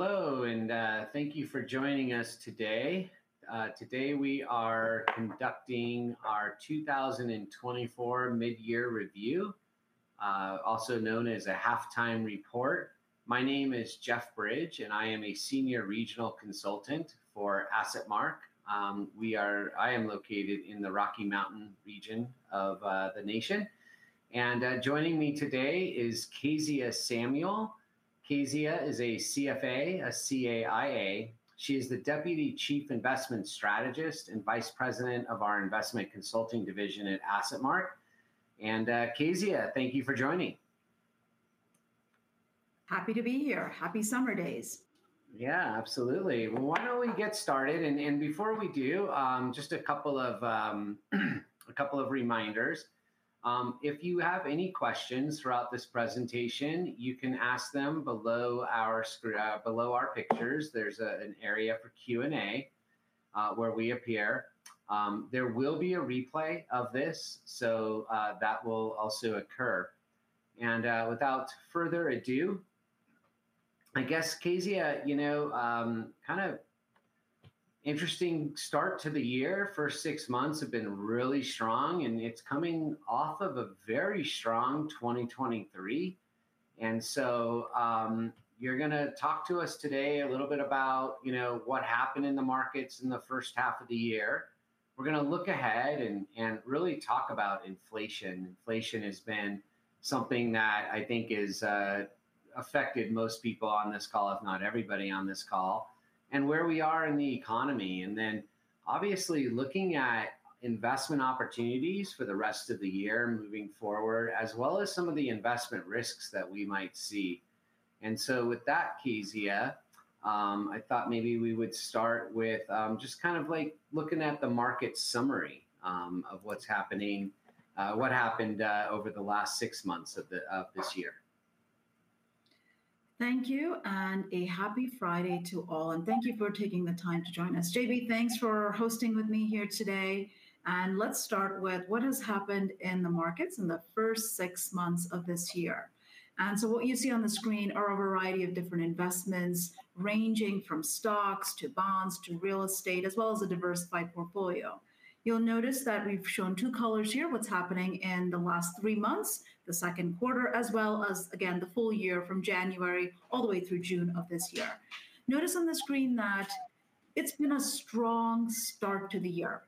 Hello, and thank you for joining us today. Today we are conducting our 2024 midyear review, also known as a halftime report. My name is Jeff Bridge, and I am a senior regional consultant for AssetMark. I am located in the Rocky Mountain region of the nation. And joining me today is Kezia Samuel. Kezia is a CFA, a CAIA. She is the Deputy Chief Investment Strategist and Vice President of our Investment Consulting division at AssetMark. And Kezia, thank you for joining. Happy to be here. Happy summer days. Yeah, absolutely. Why don't we get started? And before we do, just a couple of reminders. If you have any questions throughout this presentation, you can ask them below our screen, below our pictures. There's an area for Q&A where we appear. There will be a replay of this, so that will also occur. And without further ado, I guess, Kezia, you know, kind of interesting start to the year. First six months have been really strong, and it's coming off of a very strong 2023. And so, you're gonna talk to us today a little bit about, you know, what happened in the markets in the first half of the year. We're gonna look ahead and really talk about inflation. Inflation has been something that I think is affected most people on this call, if not everybody on this call, and where we are in the economy, and then obviously looking at investment opportunities for the rest of the year moving forward, as well as some of the investment risks that we might see. And so with that, Kezia, I thought maybe we would start with just kind of like looking at the market summary of what's happening, what happened over the last six months of this year. Thank you, and a happy Friday to all, and thank you for taking the time to join us. JB, thanks for hosting with me here today, and let's start with what has happened in the markets in the first six months of this year. So what you see on the screen are a variety of different investments, ranging from stocks, to bonds, to real estate, as well as a diversified portfolio. You'll notice that we've shown two colors here, what's happening in the last three months, the second quarter, as well as, again, the full year from January all the way through June of this year. Notice on the screen that it's been a strong start to the year.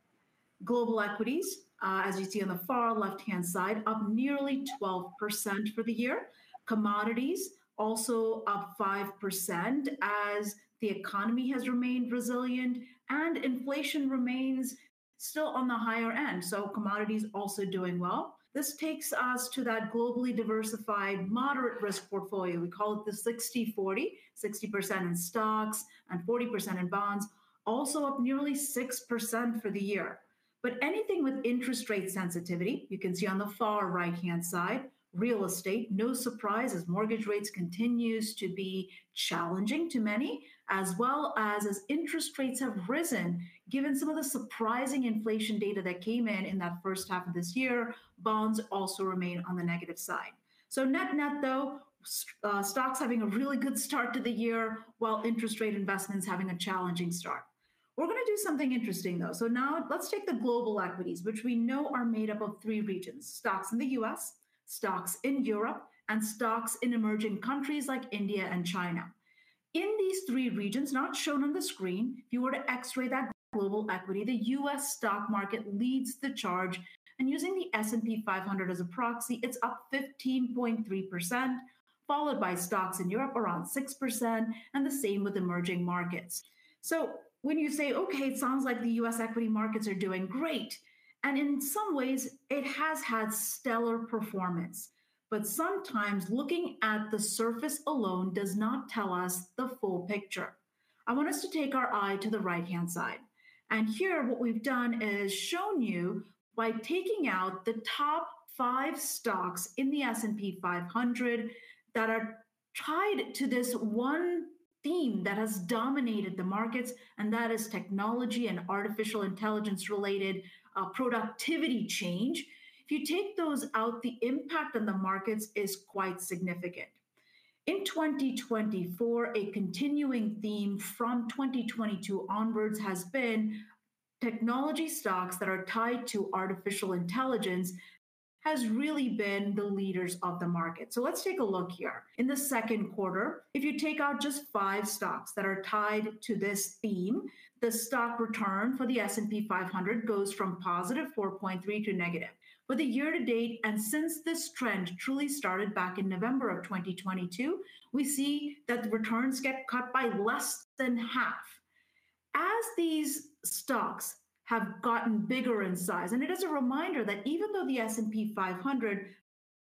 Global equities, as you see on the far left-hand side, up nearly 12% for the year. Commodities also up 5% as the economy has remained resilient and inflation remains still on the higher end, so commodities also doing well. This takes us to that globally diversified, moderate risk portfolio. We call it the 60/40, 60% in stocks and 40% in bonds, also up nearly 6% for the year. But anything with interest rate sensitivity, you can see on the far right-hand side, real estate, no surprise, as mortgage rates continues to be challenging to many, as well as, as interest rates have risen, given some of the surprising inflation data that came in in that first half of this year, bonds also remain on the negative side. So net-net, though, stocks having a really good start to the year, while interest rate investments having a challenging start. We're gonna do something interesting, though. So now let's take the global equities, which we know are made up of three regions: stocks in the U.S., stocks in Europe, and stocks in emerging countries like India and China. In these three regions, not shown on the screen, if you were to X-ray that global equity, the U.S. stock market leads the charge, and using the S&P 500 as a proxy, it's up 15.3%, followed by stocks in Europe, around 6%, and the same with emerging markets. So when you say, "Okay, it sounds like the U.S. equity markets are doing great," and in some ways, it has had stellar performance. But sometimes looking at the surface alone does not tell us the full picture. I want us to take our eye to the right-hand side, and here, what we've done is shown you by taking out the top five stocks in the S&P 500 that are tied to this one theme that has dominated the markets, and that is technology and artificial intelligence-related, productivity change. If you take those out, the impact on the markets is quite significant. In 2024, a continuing theme from 2022 onwards has been technology stocks that are tied to artificial intelligence, has really been the leaders of the market. So let's take a look here. In the second quarter, if you take out just five stocks that are tied to this theme, the stock return for the S&P 500 goes from +4.3 to negative. For the year to date, and since this trend truly started back in November 2022, we see that the returns get cut by less than half. As these stocks have gotten bigger in size... and it is a reminder that even though the S&P 500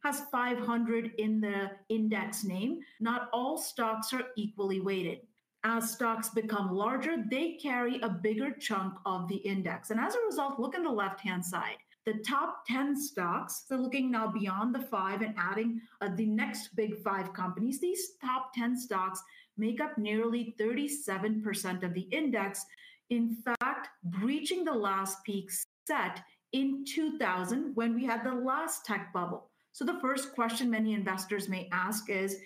has 500 in the index name, not all stocks are equally weighted. As stocks become larger, they carry a bigger chunk of the index. And as a result, look in the left-hand side, the top 10 stocks, so looking now beyond the five and adding the next big five companies, these top 10 stocks make up nearly 37% of the index. In fact, breaching the last peak set in 2000 when we had the last tech bubble. So the first question many investors may ask is: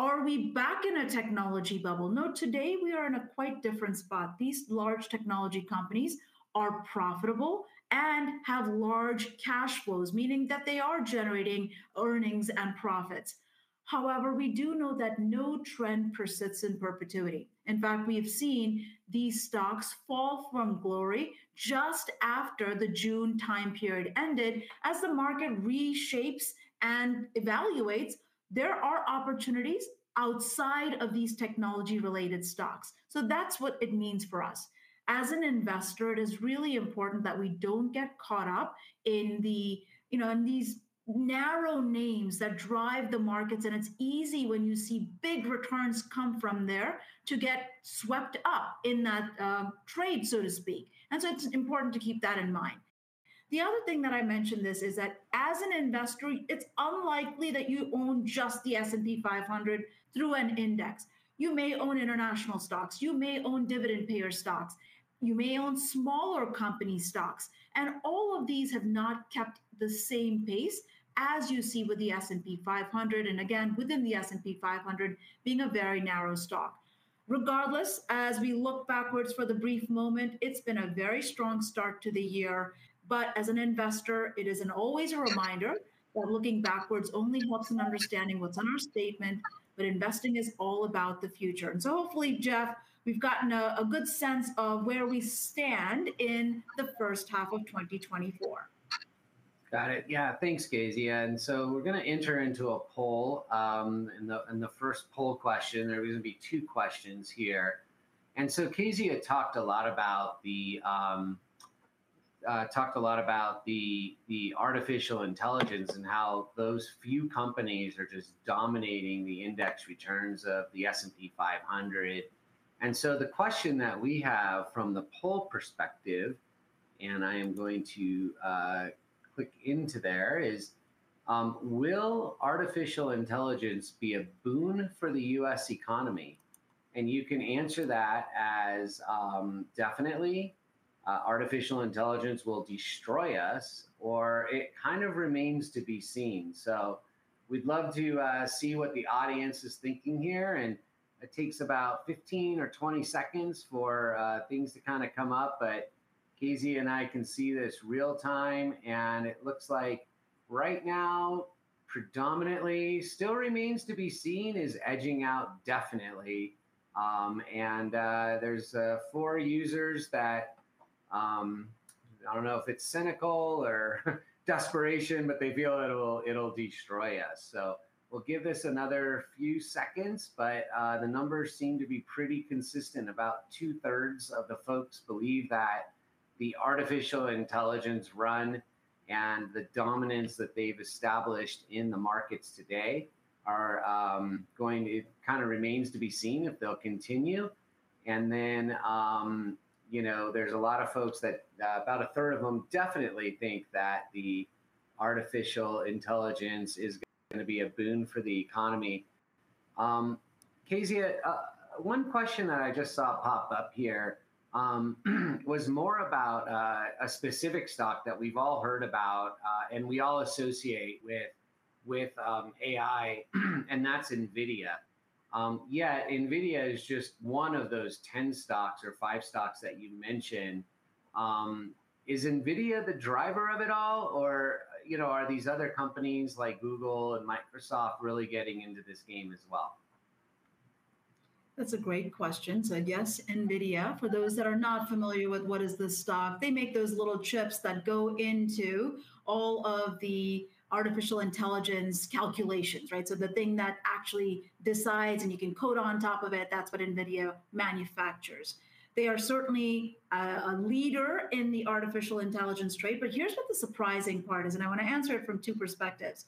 Are we back in a technology bubble? No, today, we are in a quite different spot. These large technology companies are profitable... have large cash flows, meaning that they are generating earnings and profits. However, we do know that no trend persists in perpetuity. In fact, we have seen these stocks fall from glory just after the June time period ended. As the market reshapes and evaluates, there are opportunities outside of these technology-related stocks. So that's what it means for us. As an investor, it is really important that we don't get caught up in the, you know, in these narrow names that drive the markets, and it's easy when you see big returns come from there to get swept up in that, trade, so to speak, and so it's important to keep that in mind. The other thing that I mentioned this is that as an investor, it's unlikely that you own just the S&P 500 through an index. You may own international stocks, you may own dividend payer stocks, you may own smaller company stocks, and all of these have not kept the same pace as you see with the S&P 500, and again, within the S&P 500 being a very narrow stock. Regardless, as we look backwards for the brief moment, it's been a very strong start to the year. But as an investor, it is an always a reminder that looking backwards only helps in understanding what's understatement, but investing is all about the future. And so hopefully, Jeff, we've gotten a, a good sense of where we stand in the first half of 2024. Got it. Yeah. Thanks, Kezia. We're going to enter into a poll, and the first poll question, there are going to be two questions here. Kezia talked a lot about the artificial intelligence and how those few companies are just dominating the index returns of the S&P 500. The question that we have from the poll perspective, and I am going to click into there, is: Will artificial intelligence be a boon for the U.S. economy? You can answer that as definitely, artificial intelligence will destroy us, or it kind of remains to be seen. We'd love to see what the audience is thinking here, and it takes about 15 or 20 seconds for things to kind of come up. But Kezia and I can see this real time, and it looks like right now, predominantly, still remains to be seen, is edging out, definitely. And there's four users that I don't know if it's cynical or desperation, but they feel it'll destroy us. So we'll give this another few seconds, but the numbers seem to be pretty consistent. About two-thirds of the folks believe that the artificial intelligence run and the dominance that they've established in the markets today are going it kind of remains to be seen if they'll continue. And then, you know, there's a lot of folks that about a third of them definitely think that the artificial intelligence is going to be a boon for the economy. Kezia, one question that I just saw pop up here, was more about a specific stock that we've all heard about, and we all associate with, with, AI, and that's NVIDIA. Yeah, NVIDIA is just one of those 10 stocks or five stocks that you mentioned. Is NVIDIA the driver of it all, or, you know, are these other companies like Google and Microsoft really getting into this game as well? That's a great question. So yes, NVIDIA, for those that are not familiar with what is the stock, they make those little chips that go into all of the artificial intelligence calculations, right? So the thing that actually decides, and you can code on top of it, that's what NVIDIA manufactures. They are certainly a leader in the artificial intelligence trade. But here's what the surprising part is, and I want to answer it from two perspectives.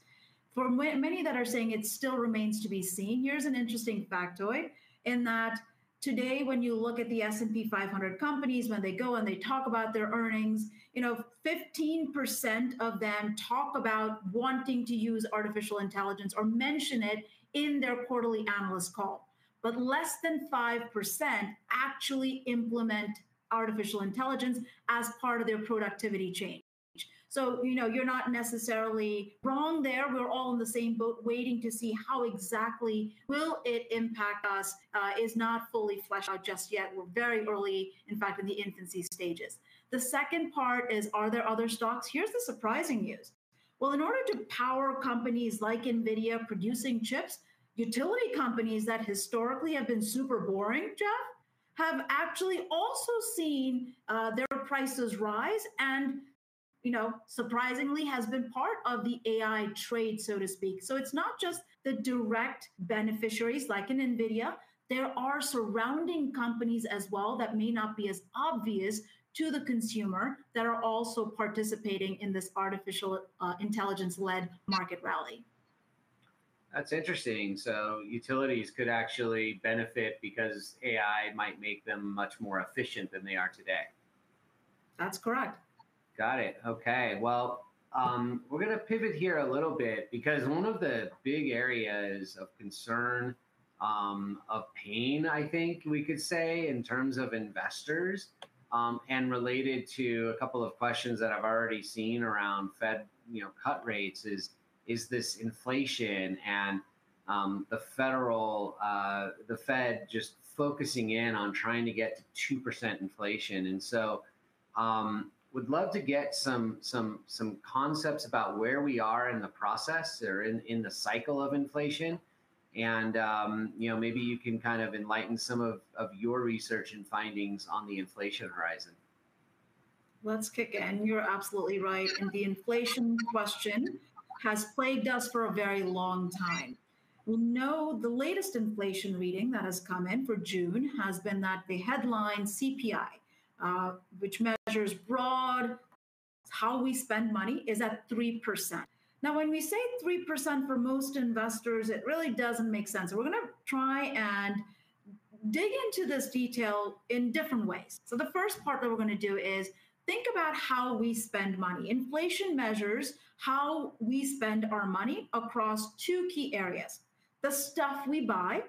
For many that are saying it still remains to be seen, here's an interesting factoid in that today, when you look at the S&P 500 companies, when they go and they talk about their earnings, you know, 15% of them talk about wanting to use artificial intelligence or mention it in their quarterly analyst call. But less than 5% actually implement artificial intelligence as part of their productivity change. So, you know, you're not necessarily wrong there. We're all in the same boat, waiting to see how exactly will it impact us, is not fully fleshed out just yet. We're very early, in fact, in the infancy stages. The second part is, are there other stocks? Here's the surprising news. Well, in order to power companies like NVIDIA producing chips, utility companies that historically have been super boring, Jeff, have actually also seen their prices rise and, you know, surprisingly, has been part of the AI trade, so to speak. So it's not just the direct beneficiaries like in NVIDIA, there are surrounding companies as well, that may not be as obvious to the consumer, that are also participating in this artificial intelligence-led market rally. That's interesting. So utilities could actually benefit because AI might make them much more efficient than they are today. That's correct. Got it. Okay, well, we're going to pivot here a little bit because one of the big areas of concern, of pain, I think we could say, in terms of investors, and related to a couple of questions that I've already seen around Fed, you know, cut rates, is, is this inflation and the Fed just focusing in on trying to get to 2% inflation. And so, would love to get some concepts about where we are in the process or in the cycle of inflation. And, you know, maybe you can kind of enlighten some of your research and findings on the inflation horizon. Let's kick in. You're absolutely right, and the inflation question has plagued us for a very long time. We know the latest inflation reading that has come in for June has been that the headline CPI, which measures broad, how we spend money, is at 3%. Now, when we say 3% for most investors, it really doesn't make sense, so we're going to try and dig into this detail in different ways. So the first part that we're going to do is think about how we spend money. Inflation measures how we spend our money across two key areas: the stuff we buy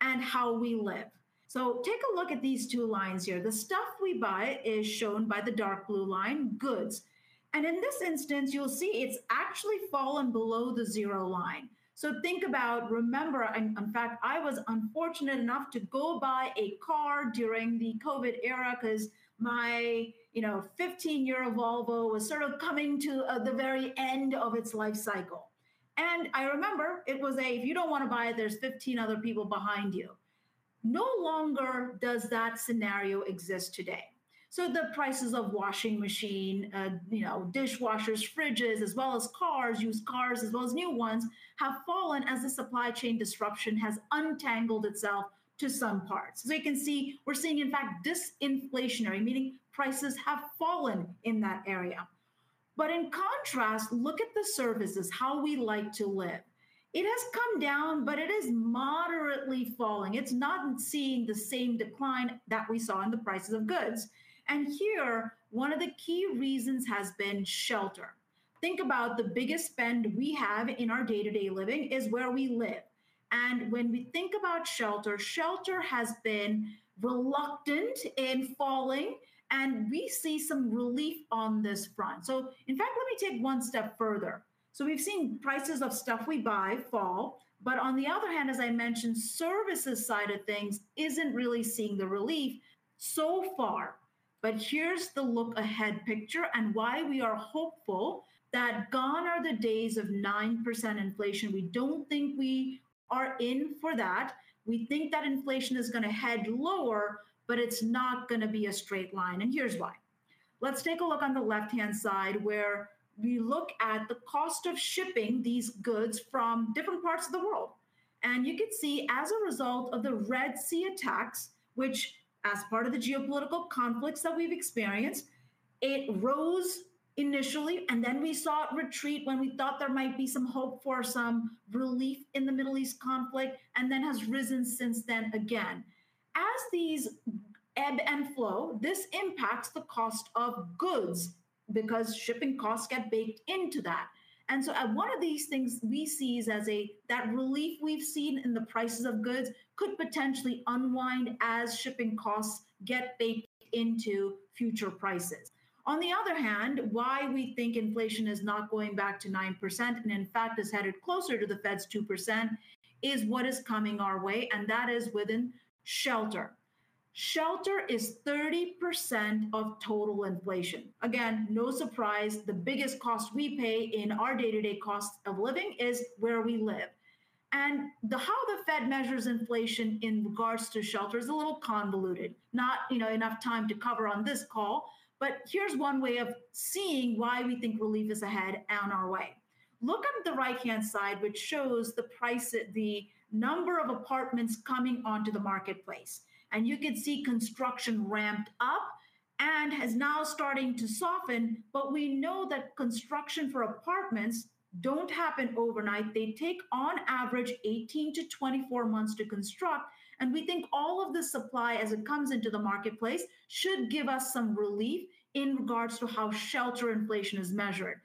and how we live. So take a look at these two lines here. The stuff we buy is shown by the dark blue line, goods. And in this instance, you'll see it's actually fallen below the zero line. So think about, remember... In fact, I was unfortunate enough to go buy a car during the COVID era because my, you know, 15-year Volvo was sort of coming to the very end of its life cycle. And I remember it was, "If you don't want to buy it, there's 15 other people behind you." No longer does that scenario exist today. So the prices of washing machine, you know, dishwashers, fridges, as well as cars, used cars, as well as new ones, have fallen as the supply chain disruption has untangled itself to some parts. We're seeing, in fact, disinflationary, meaning prices have fallen in that area. But in contrast, look at the services, how we like to live. It has come down, but it is moderately falling. It's not seeing the same decline that we saw in the prices of goods. Here, one of the key reasons has been shelter. Think about the biggest spend we have in our day-to-day living is where we live. When we think about shelter, shelter has been reluctant in falling, and we see some relief on this front. In fact, let me take one step further. We've seen prices of stuff we buy fall, but on the other hand, as I mentioned, services side of things isn't really seeing the relief so far. Here's the look-ahead picture and why we are hopeful that gone are the days of 9% inflation. We don't think we are in for that. We think that inflation is going to head lower, but it's not going to be a straight line, and here's why. Let's take a look on the left-hand side, where we look at the cost of shipping these goods from different parts of the world. You can see, as a result of the Red Sea attacks, which as part of the geopolitical conflicts that we've experienced, it rose initially, and then we saw it retreat when we thought there might be some hope for some relief in the Middle East conflict, and then has risen since then again. As these ebb and flow, this impacts the cost of goods because shipping costs get baked into that. So, one of these things we see, that relief we've seen in the prices of goods could potentially unwind as shipping costs get baked into future prices. On the other hand, why we think inflation is not going back to 9%, and in fact, is headed closer to the Fed's 2%, is what is coming our way, and that is within shelter. Shelter is 30% of total inflation. Again, no surprise, the biggest cost we pay in our day-to-day cost of living is where we live. And the, how the Fed measures inflation in regards to shelter is a little convoluted. Not, you know, enough time to cover on this call, but here's one way of seeing why we think relief is ahead on our way. Look at the right-hand side, which shows the price at the number of apartments coming onto the marketplace, and you can see construction ramped up and is now starting to soften, but we know that construction for apartments don't happen overnight. They take, on average, 18-24 months to construct, and we think all of the supply, as it comes into the marketplace, should give us some relief in regards to how shelter inflation is measured.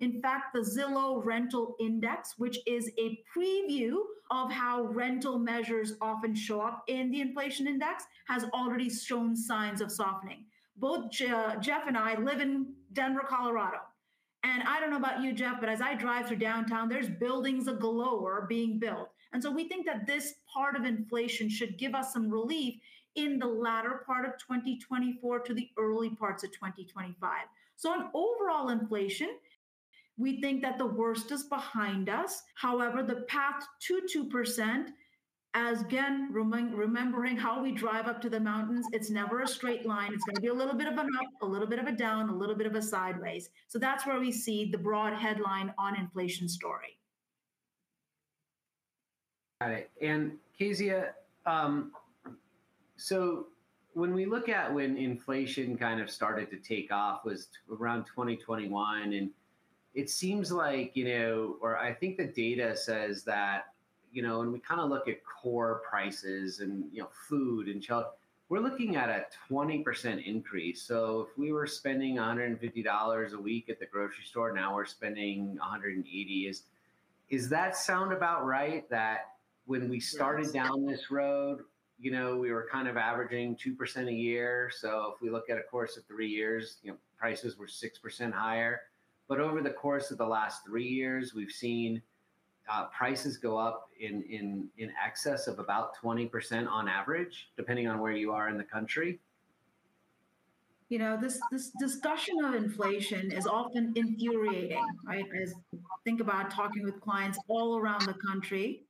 In fact, the Zillow Rental Index, which is a preview of how rental measures often show up in the inflation index, has already shown signs of softening. Both Jeff and I live in Denver, Colorado, and I don't know about you, Jeff, but as I drive through downtown, there's buildings galore being built. And so we think that this part of inflation should give us some relief in the latter part of 2024 to the early parts of 2025. So on overall inflation, we think that the worst is behind us. However, the path to 2%, as again, remembering how we drive up to the mountains, it's never a straight line. It's going to be a little bit of an up, a little bit of a down, a little bit of a sideways. So that's where we see the broad headline on inflation story. All right. Kezia, so when we look at when inflation kind of started to take off was around 2021, and it seems like, you know... or I think the data says that, you know, when we kind of look at core prices and, you know, food and shelter, we're looking at a 20% increase. So if we were spending $150 a week at the grocery store, now we're spending $180. Is that sound about right? That when we started down this road, you know, we were kind of averaging 2% a year. So if we look at a course of three years, you know, prices were 6% higher... Over the course of the last three years, we've seen prices go up in excess of about 20% on average, depending on where you are in the country. You know, this, this discussion on inflation is often infuriating, right? As I think about talking with clients all around the country,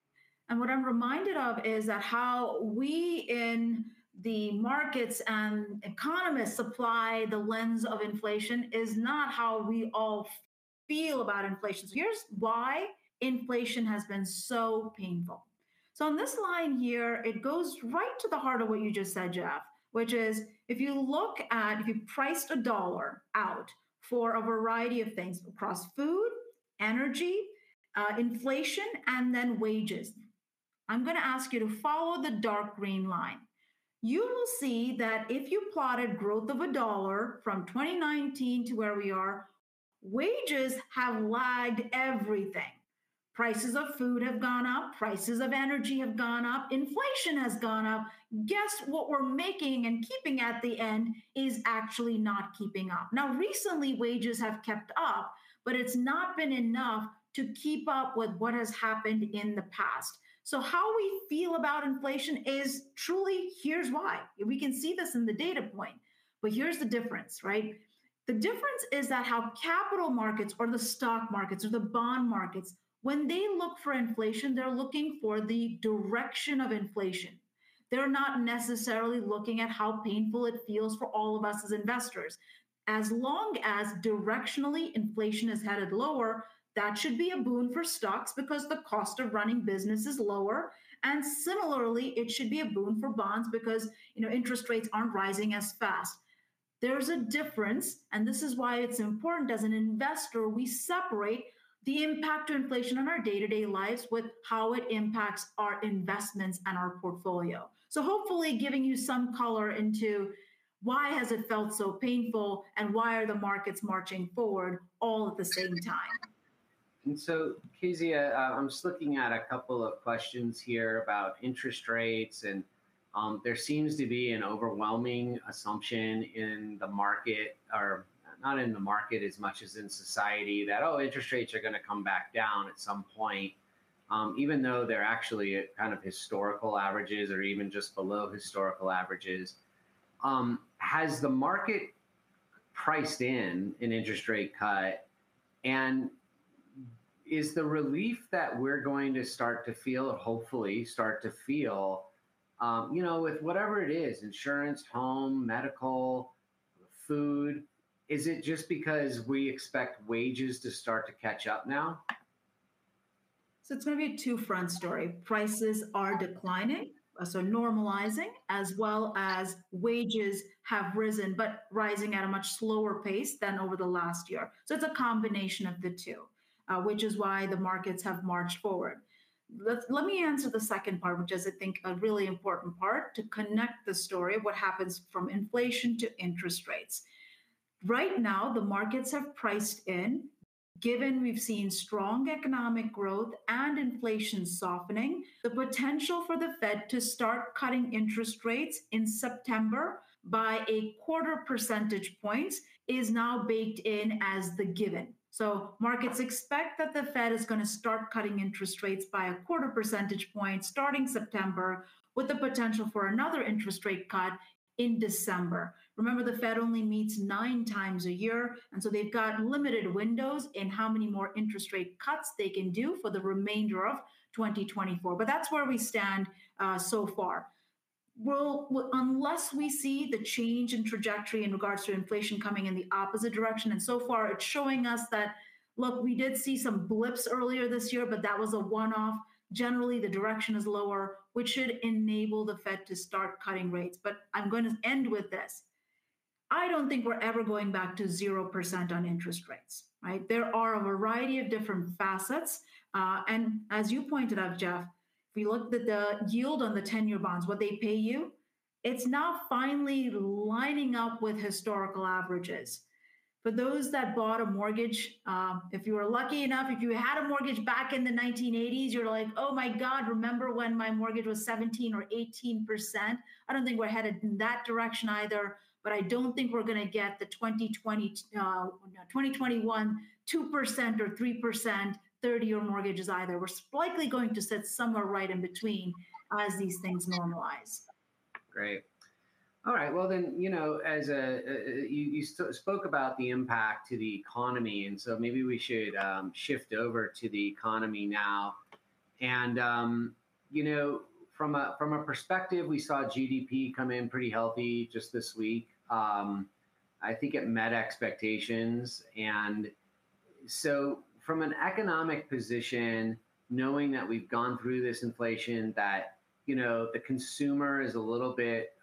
and what I'm reminded of is that how we in the markets and economists apply the lens of inflation is not how we all feel about inflation. So here's why inflation has been so painful. So on this line here, it goes right to the heart of what you just said, Jeff, which is if you look at, if you priced a dollar out for a variety of things across food, energy, inflation, and then wages. I'm gonna ask you to follow the dark green line. You will see that if you plotted growth of a dollar from 2019 to where we are, wages have lagged everything. Prices of food have gone up, prices of energy have gone up, inflation has gone up. Guess what we're making and keeping at the end is actually not keeping up. Now, recently, wages have kept up, but it's not been enough to keep up with what has happened in the past. So how we feel about inflation is truly... Here's why, and we can see this in the data point. But here's the difference, right? The difference is that how capital markets or the stock markets or the bond markets, when they look for inflation, they're looking for the direction of inflation. They're not necessarily looking at how painful it feels for all of us as investors. As long as directionally inflation is headed lower, that should be a boon for stocks because the cost of running business is lower, and similarly, it should be a boon for bonds because, you know, interest rates aren't rising as fast. There's a difference, and this is why it's important, as an investor, we separate the impact of inflation on our day-to-day lives with how it impacts our investments and our portfolio. So hopefully giving you some color into why has it felt so painful and why are the markets marching forward all at the same time. So, Kezia, I'm just looking at a couple of questions here about interest rates, and there seems to be an overwhelming assumption in the market, or not in the market as much as in society, that, oh, interest rates are gonna come back down at some point, even though they're actually at kind of historical averages or even just below historical averages. Has the market priced in an interest rate cut? And is the relief that we're going to start to feel, or hopefully start to feel, you know, with whatever it is, insurance, home, medical, food, just because we expect wages to start to catch up now? So it's gonna be a two-front story. Prices are declining, so normalizing, as well as wages have risen, but rising at a much slower pace than over the last year. So it's a combination of the two, which is why the markets have marched forward. Let me answer the second part, which is, I think, a really important part to connect the story, what happens from inflation to interest rates. Right now, the markets have priced in. Given we've seen strong economic growth and inflation softening, the potential for the Fed to start cutting interest rates in September by a quarter percentage point is now baked in as the given. So markets expect that the Fed is gonna start cutting interest rates by a quarter percentage point starting September, with the potential for another interest rate cut in December. Remember, the Fed only meets nine times a year, and so they've got limited windows in how many more interest rate cuts they can do for the remainder of 2024. But that's where we stand so far. Well, unless we see the change in trajectory in regards to inflation coming in the opposite direction, and so far it's showing us that, look, we did see some blips earlier this year, but that was a one-off. Generally, the direction is lower, which should enable the Fed to start cutting rates. But I'm gonna end with this: I don't think we're ever going back to zero percent on interest rates, right? There are a variety of different facets, and as you pointed out, Jeff, if we look at the yield on the 10-year bonds, what they pay you, it's now finally lining up with historical averages. For those that bought a mortgage, if you were lucky enough, if you had a mortgage back in the 1980s, you're like, "Oh my God, remember when my mortgage was 17% or 18%?" I don't think we're headed in that direction either, but I don't think we're gonna get the 2021 2% or 3% 30-year mortgages either. We're likely going to sit somewhere right in between as these things normalize. Great. All right, well then, you know, you spoke about the impact to the economy, and so maybe we should shift over to the economy now. And you know, from a perspective, we saw GDP come in pretty healthy just this week. I think it met expectations. And so from an economic position, knowing that we've gone through this inflation, that you know, the consumer is a little bit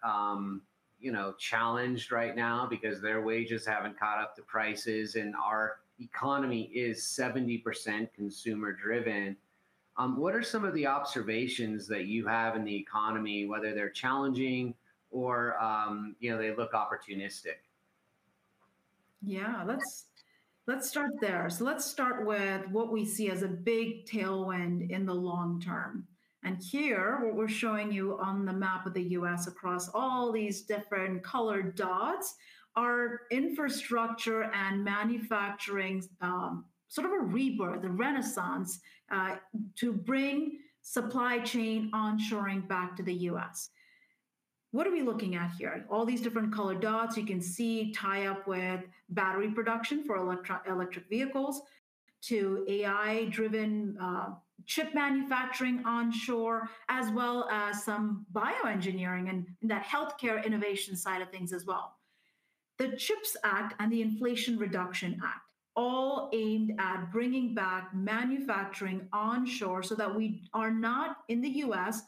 challenged right now because their wages haven't caught up to prices, and our economy is 70% consumer-driven, what are some of the observations that you have in the economy, whether they're challenging or you know, they look opportunistic? ...Yeah, let's, let's start there. So let's start with what we see as a big tailwind in the long term. And here, what we're showing you on the map of the U.S. across all these different colored dots, are infrastructure and manufacturing, sort of a rebirth, a renaissance, to bring supply chain onshoring back to the U.S. What are we looking at here? All these different colored dots you can see tie up with battery production for electric vehicles, to AI-driven chip manufacturing onshore, as well as some bioengineering and that healthcare innovation side of things as well. The CHIPS Act and the Inflation Reduction Act, all aimed at bringing back manufacturing onshore so that we are not, in the U.S.,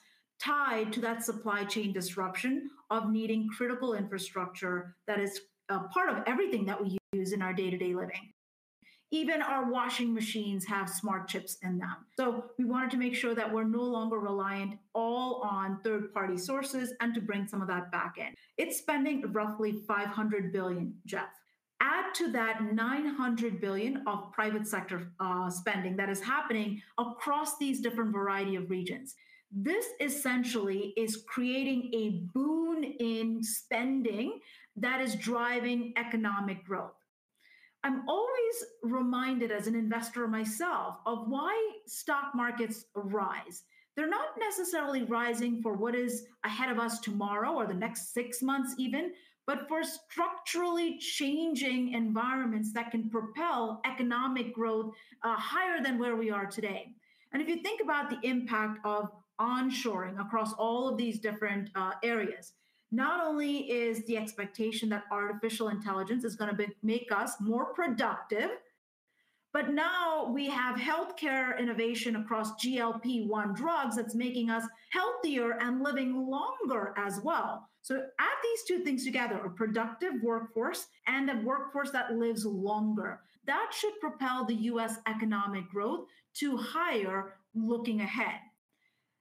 tied to that supply chain disruption of needing critical infrastructure that is a part of everything that we use in our day-to-day living. Even our washing machines have smart chips in them. So we wanted to make sure that we're no longer reliant all on third-party sources and to bring some of that back in. It's spending roughly $500 billion, Jeff. Add to that $900 billion of private sector spending that is happening across these different variety of regions. This essentially is creating a boon in spending that is driving economic growth. I'm always reminded as an investor myself of why stock markets rise. They're not necessarily rising for what is ahead of us tomorrow or the next six months even, but for structurally changing environments that can propel economic growth higher than where we are today. And if you think about the impact of onshoring across all of these different areas, not only is the expectation that artificial intelligence is gonna make us more productive, but now we have healthcare innovation across GLP-1 drugs that's making us healthier and living longer as well. So add these two things together, a productive workforce and a workforce that lives longer. That should propel the U.S. economic growth to higher looking ahead.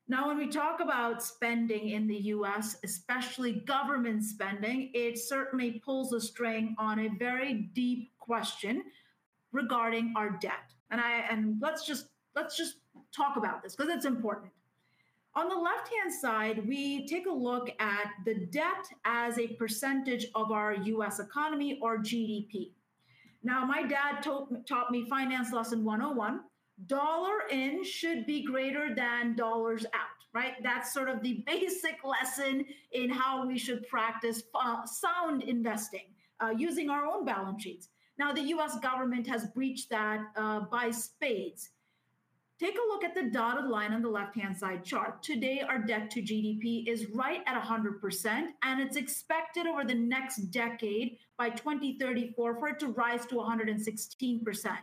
Now, when we talk about spending in the U.S., especially government spending, it certainly pulls a string on a very deep question regarding our debt. And let's just talk about this because it's important. On the left-hand side, we take a look at the debt as a percentage of our U.S. economy or GDP. Now, my dad taught me Finance Lesson 101, dollar in should be greater than dollars out, right? That's sort of the basic lesson in how we should practice sound investing using our own balance sheets. Now, the U.S. government has breached that by spades. Take a look at the dotted line on the left-hand side chart. Today, our debt to GDP is right at 100%, and it's expected over the next decade, by 2034, for it to rise to 116%.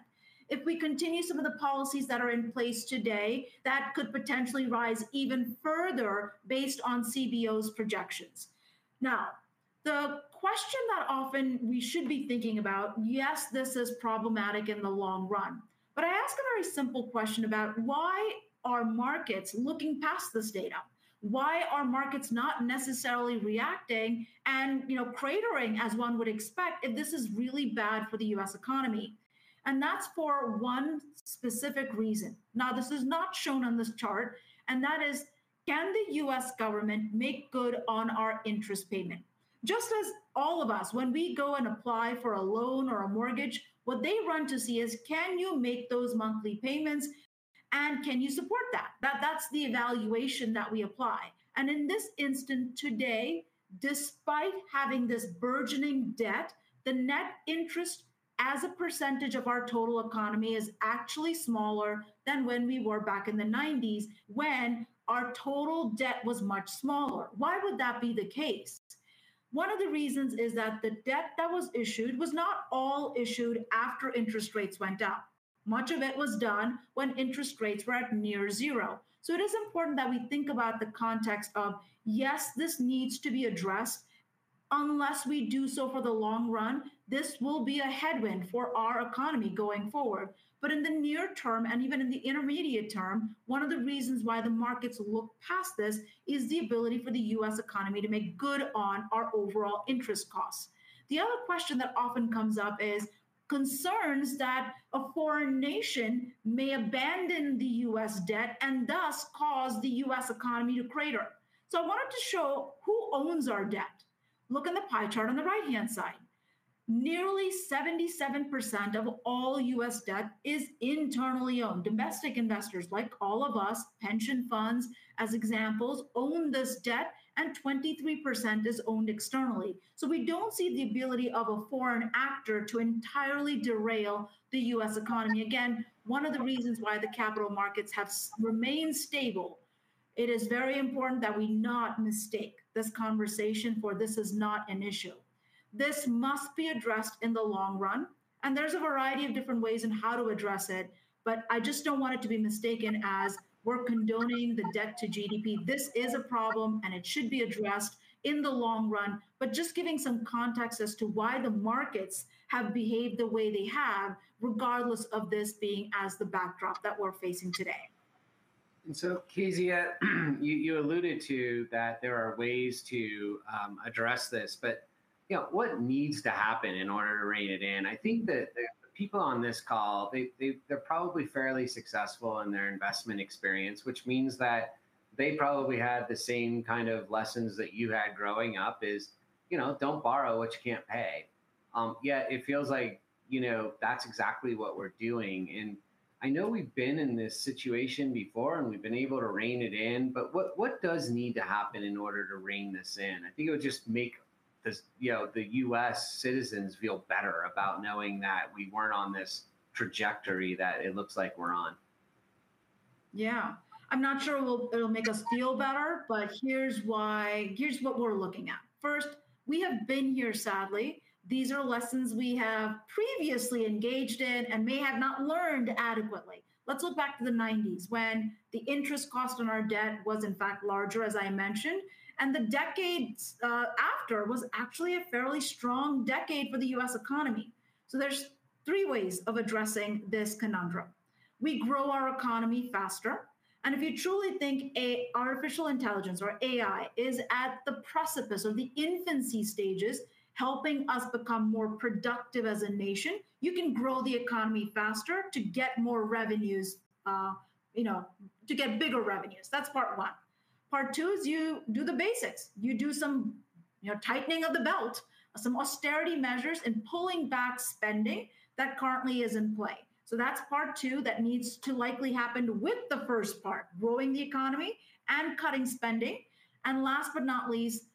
If we continue some of the policies that are in place today, that could potentially rise even further based on CBO's projections. Now, the question that often we should be thinking about, yes, this is problematic in the long run. But I ask a very simple question about why are markets looking past this data? Why are markets not necessarily reacting and, you know, cratering as one would expect, if this is really bad for the U.S. economy? That's for one specific reason. Now, this is not shown on this chart, and that is: Can the U.S. government make good on our interest payment? Just as all of us, when we go and apply for a loan or a mortgage, what they run to see is, can you make those monthly payments, and can you support that? That, that's the evaluation that we apply. And in this instance, today, despite having this burgeoning debt, the net interest as a percentage of our total economy is actually smaller than when we were back in the nineties when our total debt was much smaller. Why would that be the case? One of the reasons is that the debt that was issued was not all issued after interest rates went up. Much of it was done when interest rates were at near zero. So it is important that we think about the context of, yes, this needs to be addressed. Unless we do so for the long run, this will be a headwind for our economy going forward. But in the near term, and even in the intermediate term, one of the reasons why the markets look past this is the ability for the U.S. economy to make good on our overall interest costs. The other question that often comes up is concerns that a foreign nation may abandon the U.S. debt and thus cause the U.S. economy to crater. So I wanted to show who owns our debt. Look in the pie chart on the right-hand side. Nearly 77% of all U.S. debt is internally owned. Domestic investors, like all of us, pension funds, as examples, own this debt, and 23% is owned externally. So we don't see the ability of a foreign actor to entirely derail the U.S. economy. Again, one of the reasons why the capital markets have remained stable, it is very important that we not mistake this conversation for this is not an issue. This must be addressed in the long run, and there's a variety of different ways on how to address it, but I just don't want it to be mistaken as we're condoning the debt to GDP. This is a problem, and it should be addressed in the long run, but just giving some context as to why the markets have behaved the way they have, regardless of this being as the backdrop that we're facing today.... And so, Kezia, you alluded to that there are ways to, address this, but, you know, what needs to happen in order to rein it in? I think that the people on this call, they're probably fairly successful in their investment experience, which means that they probably had the same kind of lessons that you had growing up is, you know, don't borrow what you can't pay. Yet it feels like, you know, that's exactly what we're doing, and I know we've been in this situation before, and we've been able to rein it in, but what does need to happen in order to rein this in? I think it would just make this, you know, the U.S. citizens feel better about knowing that we weren't on this trajectory that it looks like we're on. Yeah. I'm not sure it'll make us feel better, but here's why. Here's what we're looking at. First, we have been here, sadly. These are lessons we have previously engaged in and may have not learned adequately. Let's look back to the 1990s, when the interest cost on our debt was, in fact, larger, as I mentioned, and the decades after was actually a fairly strong decade for the U.S. economy. So there's three ways of addressing this conundrum. We grow our economy faster, and if you truly think artificial intelligence, or AI, is at the precipice of the infancy stages, helping us become more productive as a nation, you can grow the economy faster to get more revenues, you know, to get bigger revenues. That's part one. Part two is you do the basics. You do some, you know, tightening of the belt, some austerity measures, and pulling back spending that currently is in play. So that's part two that needs to likely happen with the first part, growing the economy and cutting spending. And last but not least,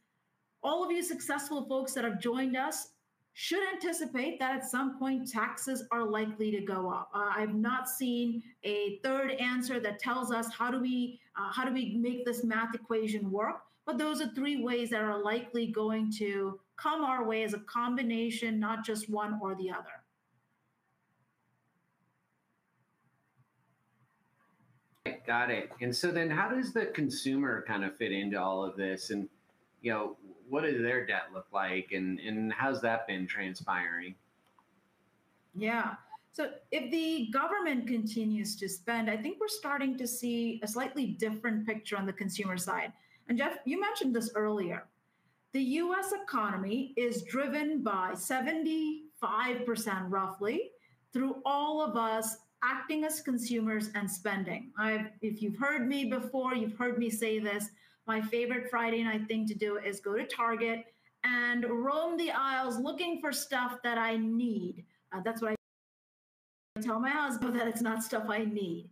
all of you successful folks that have joined us should anticipate that at some point taxes are likely to go up. I've not seen a third answer that tells us how do we, how do we make this math equation work, but those are three ways that are likely going to come our way as a combination, not just one or the other. Got it. So then how does the consumer kind of fit into all of this? You know, what does their debt look like, and how has that been transpiring? Yeah. So if the government continues to spend, I think we're starting to see a slightly different picture on the consumer side. And Jeff, you mentioned this earlier. The U.S. economy is driven by 75%, roughly, through all of us acting as consumers and spending. I've... If you've heard me before, you've heard me say this, my favorite Friday night thing to do is go to Target and roam the aisles looking for stuff that I need. That's what I tell... I tell my husband that it's not stuff I need.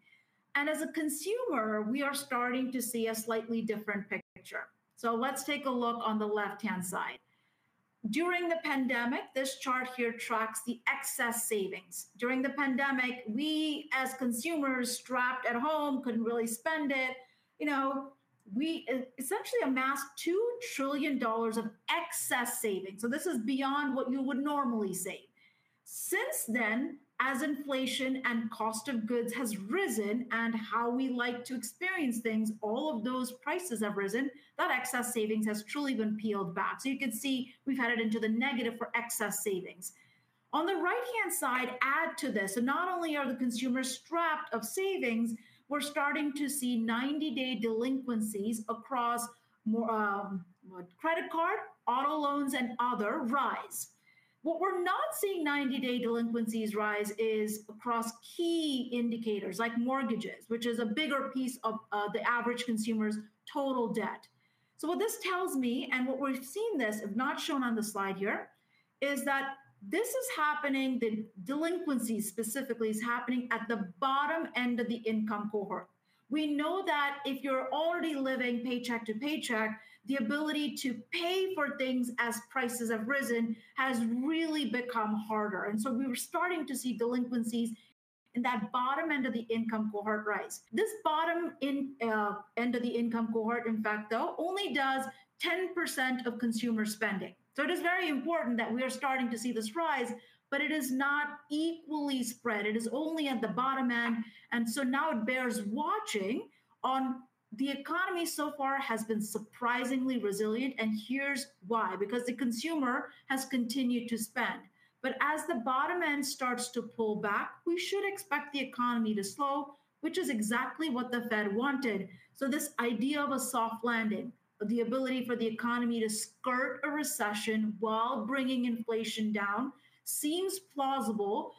And as a consumer, we are starting to see a slightly different picture. So let's take a look on the left-hand side. During the pandemic, this chart here tracks the excess savings. During the pandemic, we, as consumers, trapped at home, couldn't really spend it. You know, we, essentially amassed $2 trillion of excess savings, so this is beyond what you would normally save. Since then, as inflation and cost of goods has risen and how we like to experience things, all of those prices have risen. That excess savings has truly been peeled back. So you can see we've headed into the negative for excess savings. On the right-hand side, add to this, so not only are the consumers strapped of savings, we're starting to see 90-day delinquencies across more, credit card, auto loans, and other rise. What we're not seeing 90-day delinquencies rise is across key indicators like mortgages, which is a bigger piece of, the average consumer's total debt. So what this tells me, and what we've seen this, if not shown on the slide here, is that this is happening, the delinquency specifically, is happening at the bottom end of the income cohort. We know that if you're already living paycheck to paycheck, the ability to pay for things as prices have risen has really become harder. And so we were starting to see delinquencies in that bottom end of the income cohort rise. This bottom end of the income cohort, in fact, though, only does 10% of consumer spending. So it is very important that we are starting to see this rise, but it is not equally spread. It is only at the bottom end, and so now it bears watching on... The economy so far has been surprisingly resilient, and here's why: because the consumer has continued to spend. As the bottom end starts to pull back, we should expect the economy to slow, which is exactly what the Fed wanted. This idea of a soft landing, the ability for the economy to skirt a recession while bringing inflation down, seems plausible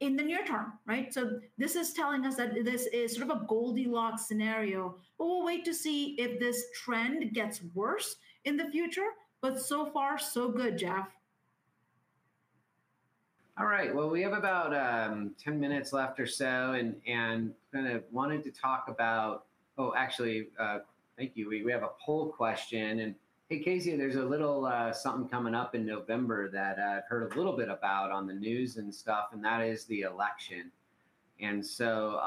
in the near term, right? This is telling us that this is sort of a Goldilocks scenario, but we'll wait to see if this trend gets worse in the future. So far, so good, Jeff. All right. Well, we have about 10 minutes left or so, and kind of wanted to talk about... Oh, actually, thank you. We have a poll question, and hey, Kezia, there's a little something coming up in November that I've heard a little bit about on the news and stuff, and that is the election. And so,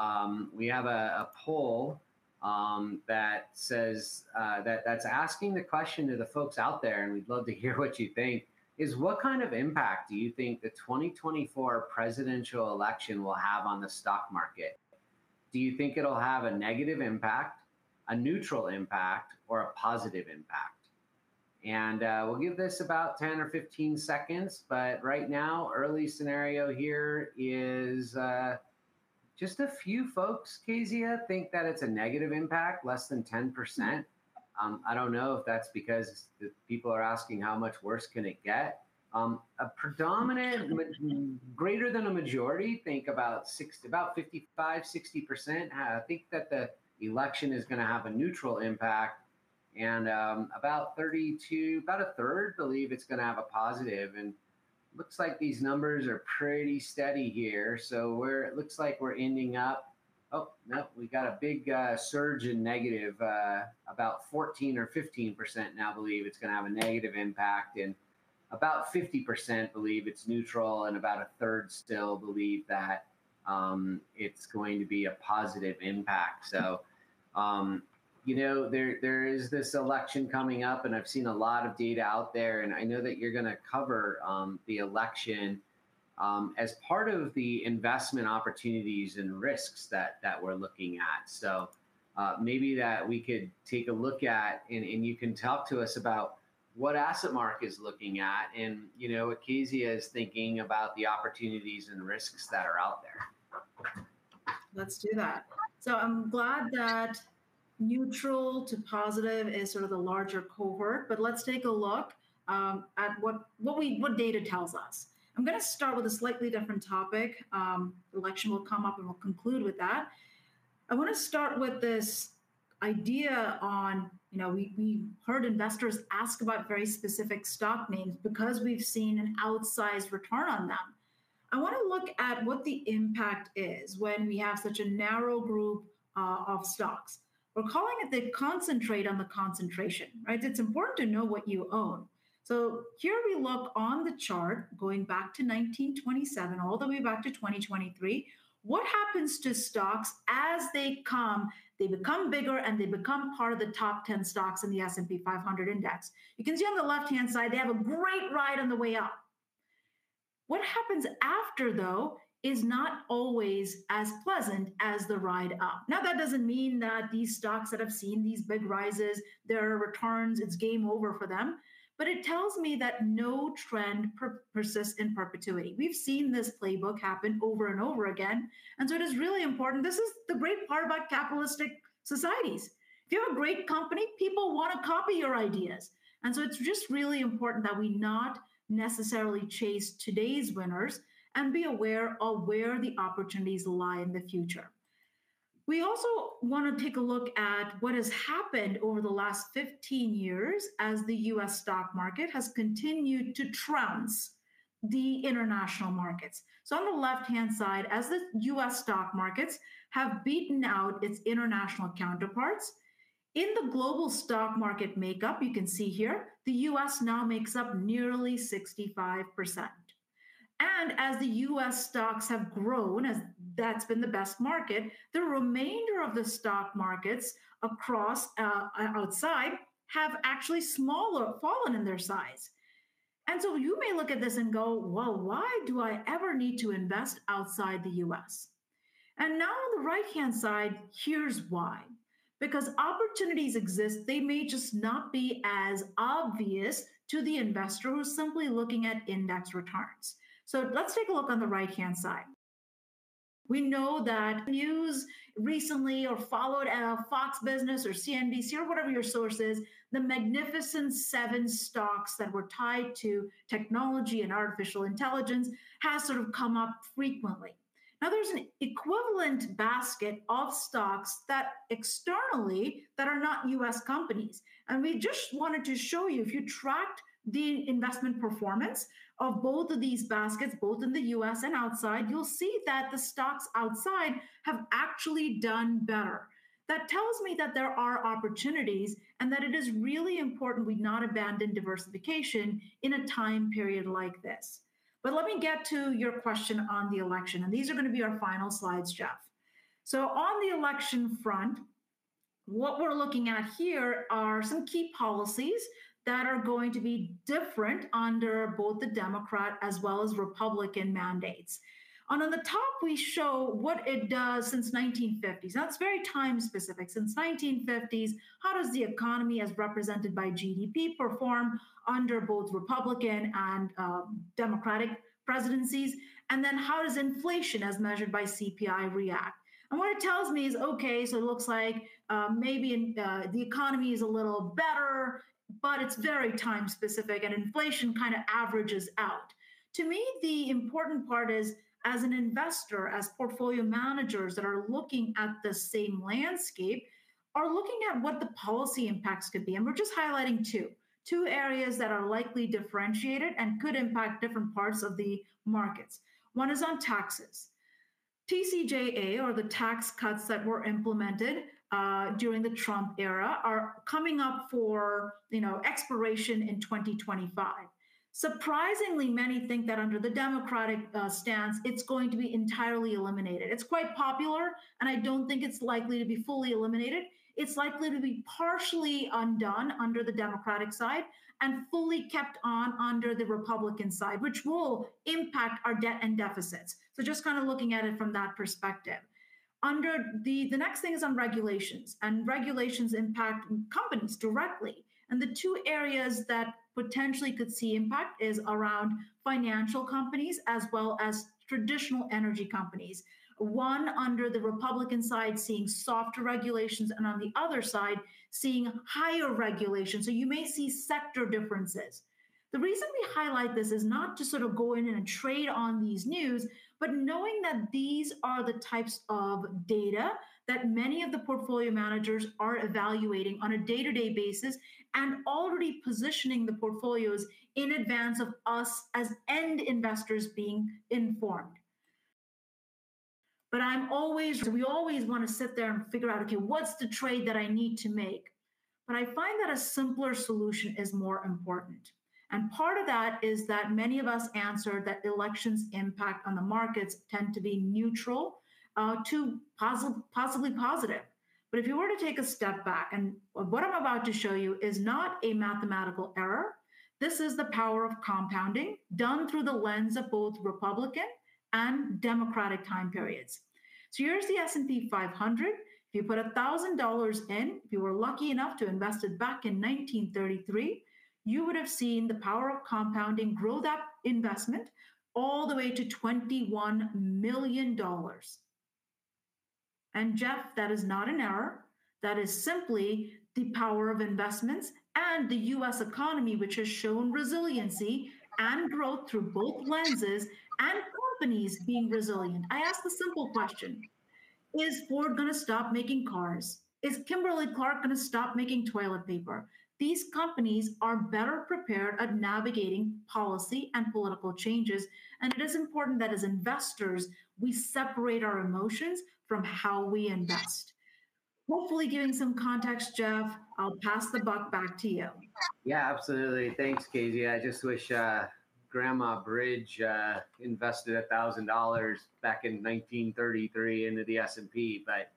we have a poll that says that's asking the question to the folks out there, and we'd love to hear what you think, is: What kind of impact do you think the 2024 presidential election will have on the stock market? Do you think it'll have a negative impact, a neutral impact, or a positive impact?... and, we'll give this about 10 or 15 seconds, but right now, early scenario here is, just a few folks, Kezia, think that it's a negative impact, less than 10%. I don't know if that's because the people are asking how much worse can it get? A greater than a majority, think about 60, about 55, 60%, think that the election is gonna have a neutral impact, and, about 32, about a third believe it's gonna have a positive. And looks like these numbers are pretty steady here, so where it looks like we're ending up... Oh, no, we've got a big surge in negative. About 14% or 15% now believe it's gonna have a negative impact, and about 50% believe it's neutral, and about a third still believe that it's going to be a positive impact. So, you know, there is this election coming up, and I've seen a lot of data out there, and I know that you're gonna cover the election as part of the investment opportunities and risks that we're looking at. So, maybe we could take a look at, and you can talk to us about what AssetMark is looking at, and, you know, what Kezia is thinking about the opportunities and risks that are out there. Let's do that. So I'm glad that neutral to positive is sort of the larger cohort, but let's take a look at what data tells us. I'm gonna start with a slightly different topic. Election will come up, and we'll conclude with that. I wanna start with this idea on, you know, we heard investors ask about very specific stock names because we've seen an outsized return on them. I wanna look at what the impact is when we have such a narrow group of stocks. We're calling it the concentrate on the concentration, right? It's important to know what you own. So here we look on the chart, going back to 1927, all the way back to 2023. What happens to stocks as they come, they become bigger, and they become part of the top 10 stocks in the S&P 500 index? You can see on the left-hand side, they have a great ride on the way up. What happens after, though, is not always as pleasant as the ride up. Now, that doesn't mean that these stocks that have seen these big rises, their returns, it's game over for them, but it tells me that no trend persists in perpetuity. We've seen this playbook happen over and over again, and so it is really important. This is the great part about capitalistic societies. If you're a great company, people wanna copy your ideas, and so it's just really important that we not necessarily chase today's winners and be aware of where the opportunities lie in the future. We also wanna take a look at what has happened over the last 15 years as the U.S. stock market has continued to trounce the international markets. So on the left-hand side, as the U.S. stock markets have beaten out its international counterparts, in the global stock market makeup, you can see here, the U.S. now makes up nearly 65%. And as the U.S. stocks have grown, as that's been the best market, the remainder of the stock markets across, outside, have actually fallen in their size. And so you may look at this and go: Well, why do I ever need to invest outside the U.S.? And now on the right-hand side, here's why. Because opportunities exist, they may just not be as obvious to the investor who's simply looking at index returns. So let's take a look on the right-hand side. We know that if you've followed Fox Business or CNBC or whatever your source is, the Magnificent Seven stocks that were tied to technology and artificial intelligence has sort of come up frequently. Now, there's an equivalent basket of stocks that externally, that are not U.S. companies, and we just wanted to show you, if you tracked the investment performance of both of these baskets, both in the U.S. and outside, you'll see that the stocks outside have actually done better. That tells me that there are opportunities and that it is really important we not abandon diversification in a time period like this. But let me get to your question on the election, and these are gonna be our final slides, Jeff. So on the election front, what we're looking at here are some key policies that are going to be different under both the Democrat as well as Republican mandates. And on the top, we show what it does since 1950s. That's very time-specific. Since 1950s, how does the economy, as represented by GDP, perform under both Republican and Democratic presidencies? And then how does inflation, as measured by CPI, react? And what it tells me is, okay, so it looks like, maybe in, the economy is a little better, but it's very time-specific, and inflation kinda averages out. To me, the important part is, as an investor, as portfolio managers that are looking at the same landscape, are looking at what the policy impacts could be, and we're just highlighting two, two areas that are likely differentiated and could impact different parts of the markets. One is on taxes. TCJA, or the tax cuts that were implemented during the Trump era, are coming up for, you know, expiration in 2025. Surprisingly, many think that under the Democratic stance, it's going to be entirely eliminated. It's quite popular, and I don't think it's likely to be fully eliminated. It's likely to be partially undone under the Democratic side and fully kept under the Republican side, which will impact our debt and deficits. So just kind of looking at it from that perspective. Under the next thing is on regulations, and regulations impact companies directly. And the two areas that potentially could see impact is around financial companies as well as traditional energy companies. One, under the Republican side, seeing softer regulations, and on the other side, seeing higher regulations. So you may see sector differences. The reason we highlight this is not to sort of go in and trade on these news, but knowing that these are the types of data that many of the portfolio managers are evaluating on a day-to-day basis and already positioning the portfolios in advance of us as end investors being informed. But we always wanna sit there and figure out, "Okay, what's the trade that I need to make?" But I find that a simpler solution is more important, and part of that is that many of us answer that elections' impact on the markets tend to be neutral, to possibly positive. But if you were to take a step back, and what I'm about to show you is not a mathematical error. This is the power of compounding done through the lens of both Republican and Democratic time periods. So here's the S&P 500. If you put $1,000 in, if you were lucky enough to invest it back in 1933, you would have seen the power of compounding grow that investment all the way to $21 million. And Jeff, that is not an error. That is simply the power of investments and the U.S. economy, which has shown resiliency and growth through both lenses, and companies being resilient. I ask the simple question: Is Ford gonna stop making cars? Is Kimberly-Clark gonna stop making toilet paper? These companies are better prepared at navigating policy and political changes, and it is important that as investors, we separate our emotions from how we invest. Hopefully giving some context, Jeff, I'll pass the buck back to you. Yeah, absolutely. Thanks, Kezia. I just wish Grandma Bridge invested $1,000 back in 1933 into the S&P, but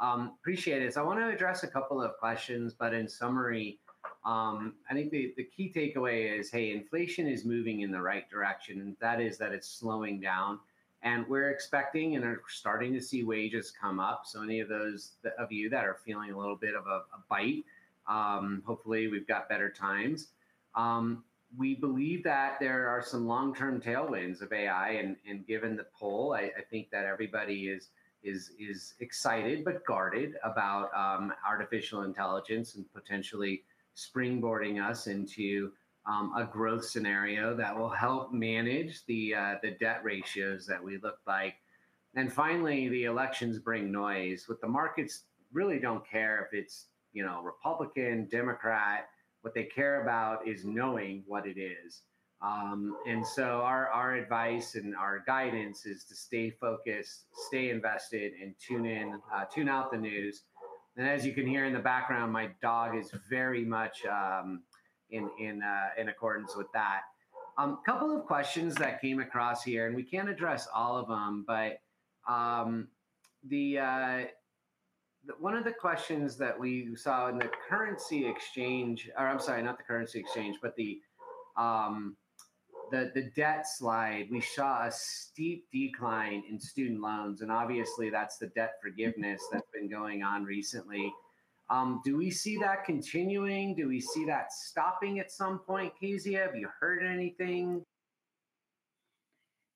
appreciate it. So I want to address a couple of questions, but in summary, I think the key takeaway is, hey, inflation is moving in the right direction, and that is that it's slowing down, and we're expecting and are starting to see wages come up. So any of those of you that are feeling a little bit of a bite, hopefully we've got better times. We believe that there are some long-term tailwinds of AI, and given the poll, I think that everybody is excited but guarded about artificial intelligence and potentially springboarding us into a growth scenario that will help manage the debt ratios that we look like. Finally, the elections bring noise, but the markets really don't care if it's, you know, Republican, Democrat. What they care about is knowing what it is. And so our advice and our guidance is to stay focused, stay invested, and tune in, tune out the news. As you can hear in the background, my dog is very much in accordance with that. Couple of questions that came across here, and we can't address all of them, but the... One of the questions that we saw in the currency exchange, or I'm sorry, not the currency exchange, but the debt slide, we saw a steep decline in student loans, and obviously, that's the debt forgiveness that's been going on recently. Do we see that continuing? Do we see that stopping at some point, Kezia? Have you heard anything?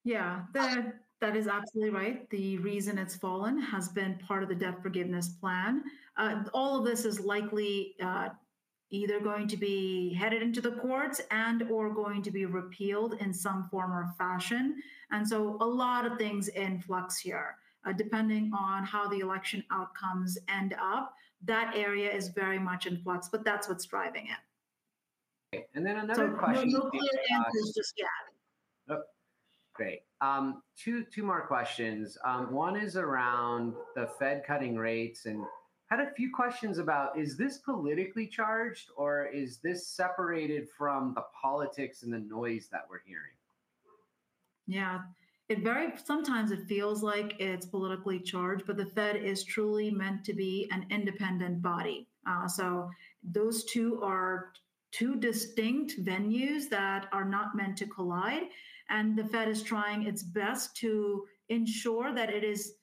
Yeah, that, that is absolutely right. The reason it's fallen has been part of the debt forgiveness plan. All of this is likely either going to be headed into the courts and/or going to be repealed in some form or fashion. And so a lot of things in flux here. Depending on how the election outcomes end up, that area is very much in flux, but that's what's driving it. Okay, and then another question- No clear answers just yet. Oh, great. Two more questions. One is around the Fed cutting rates and had a few questions about: Is this politically charged, or is this separated from the politics and the noise that we're hearing? Yeah. It sometimes feels like it's politically charged, but the Fed is truly meant to be an independent body. So those two are two distinct venues that are not meant to collide, and the Fed is trying its best to ensure that it is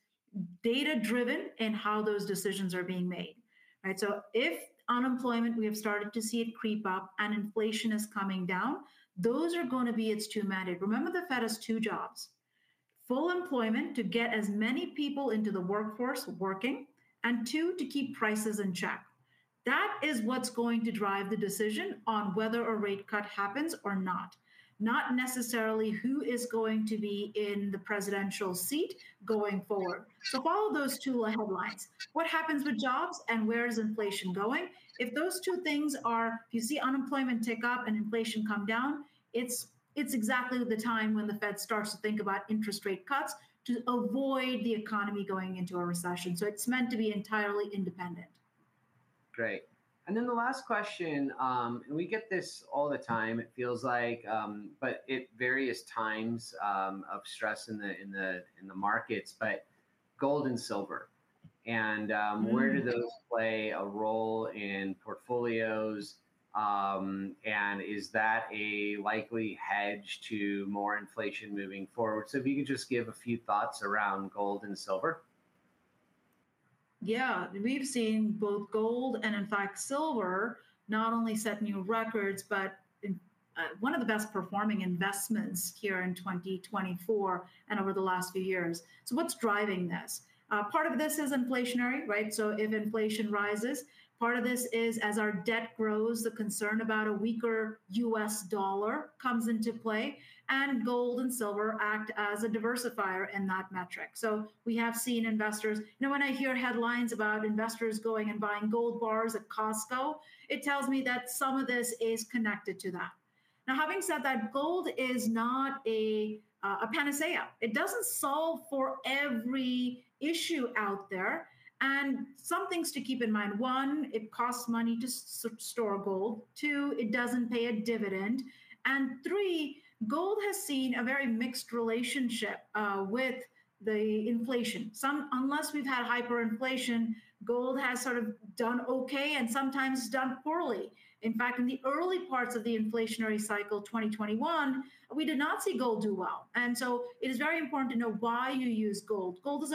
data-driven in how those decisions are being made. Right, so if unemployment, we have started to see it creep up and inflation is coming down, those are going to be its two mandate. Remember, the Fed has two jobs: full employment, to get as many people into the workforce working, and two, to keep prices in check. That is what's going to drive the decision on whether a rate cut happens or not, not necessarily who is going to be in the presidential seat going forward. So follow those two headlines. What happens with jobs, and where is inflation going? If you see unemployment tick up and inflation come down, it's exactly the time when the Fed starts to think about interest rate cuts to avoid the economy going into a recession. So it's meant to be entirely independent. Great. And then the last question, and we get this all the time, it feels like, but at various times of stress in the markets, but gold and silver and where do those play a role in portfolios? And is that a likely hedge to more inflation moving forward? So if you could just give a few thoughts around gold and silver. Yeah. We've seen both gold and, in fact, silver not only set new records, but, one of the best-performing investments here in 2024 and over the last few years. So what's driving this? Part of this is inflationary, right? So if inflation rises, part of this is as our debt grows, the concern about a weaker U.S. dollar comes into play, and gold and silver act as a diversifier in that metric. So we have seen investors- You know, when I hear headlines about investors going and buying gold bars at Costco, it tells me that some of this is connected to that. Now, having said that, gold is not a, a panacea. It doesn't solve for every issue out there, and some things to keep in mind: one, it costs money to store gold; two, it doesn't pay a dividend; and three, gold has seen a very mixed relationship with the inflation. Unless we've had hyperinflation, gold has sort of done okay and sometimes done poorly. In fact, in the early parts of the inflationary cycle, 2021, we did not see gold do well. And so it is very important to know why you use gold. Gold is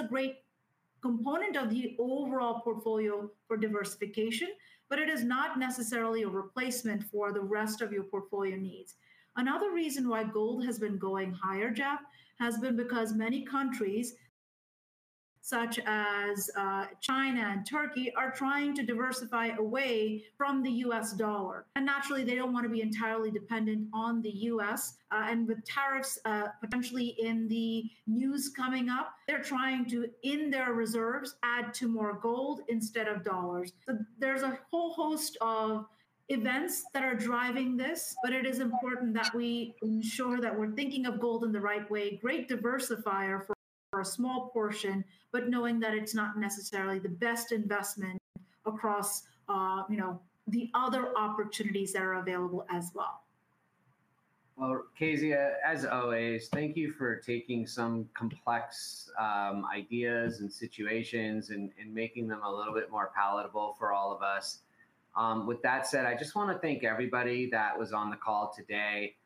a great component of the overall portfolio for diversification, but it is not necessarily a replacement for the rest of your portfolio needs. Another reason why gold has been going higher, Jeff, has been because many countries, such as China and Turkey, are trying to diversify away from the U.S. dollar. Naturally, they don't want to be entirely dependent on the U.S. With tariffs potentially in the news coming up, they're trying to, in their reserves, add to more gold instead of dollars. There's a whole host of events that are driving this, but it is important that we ensure that we're thinking of gold in the right way. Great diversifier for a small portion, but knowing that it's not necessarily the best investment across, you know, the other opportunities that are available as well. Well, Kezia, as always, thank you for taking some complex ideas and situations and making them a little bit more palatable for all of us. With that said, I just want to thank everybody that was on the call today.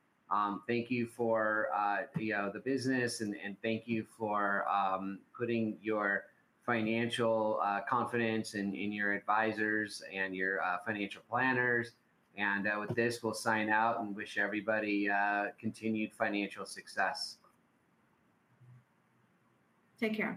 Thank you for the business, and thank you for putting your financial confidence in your advisors and your financial planners. And with this, we'll sign out and wish everybody continued financial success. Take care.